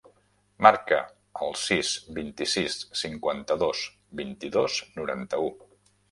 Marca el sis, vint-i-sis, cinquanta-dos, vint-i-dos, noranta-u.